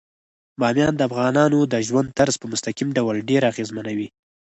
بامیان د افغانانو د ژوند طرز په مستقیم ډول ډیر اغېزمنوي.